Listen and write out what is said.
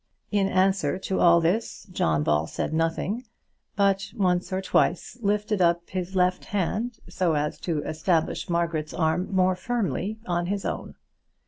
In answer to all this, John Ball said nothing, but once or twice lifted up his left hand so as to establish Margaret's arm more firmly on his own.